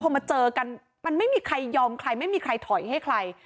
พอมาเจอกันมันไม่มีใครยอมใครไม่มีใครถอยให้ใคร